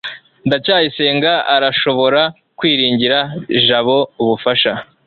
ndacyayisenga arashobora kwiringira jabo ubufasha